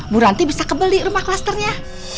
bu ranti bisa kebeli rumah klasternya